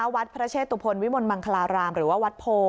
วัดพระเชตุพลวิมลมังคลารามหรือว่าวัดโพ